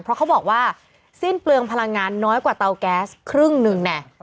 เพราะเขาบอกว่าสิ้นเปลืองพลังงานน้อยกว่าเตาแก๊สครึ่งหนึ่งแน่